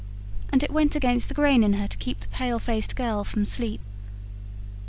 And it went against the grain in her to keep the pale faced girl from sleep.